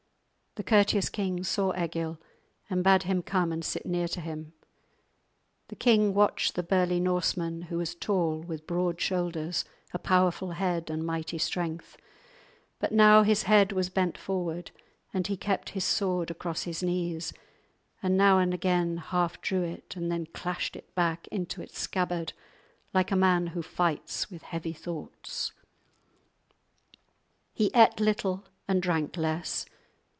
The courteous king saw Egil and bade him come and sit near to him. The king watched the burly Norseman, who was tall, with broad shoulders, a powerful head and mighty strength; but now his head was bent forward, and he kept his sword across his knees, and now and again half drew it and then clashed it back into its scabbard like a man who fights with heavy thoughts. He ate little and drank less.